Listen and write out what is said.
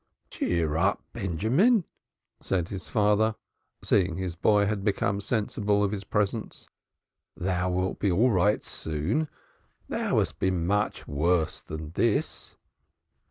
"Cheer up, Benjamin," said his father, seeing his boy had become sensible of his presence. "Thou wilt be all right soon. Thou hast been much worse than this."